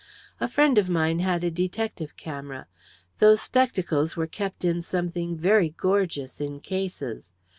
A friend of mine had a detective camera. Those spectacles were kept in something very gorgeous in cases.